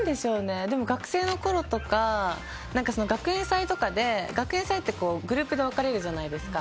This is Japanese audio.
学生のころとか、学園祭とかで学園祭ってグループで分かれるじゃないですか。